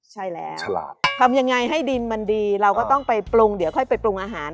ใช่แล้วทำยังไงให้ดินมันดีเราก็ต้องไปปรุงเดี๋ยวค่อยไปปรุงอาหาร